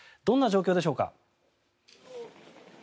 どんな状況でしょうか？